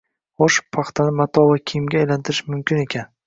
Xo‘sh, paxtani mato va kiyimga aylantirish mumkin ekan